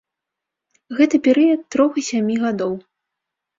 Гэта перыяд трох і сямі гадоў.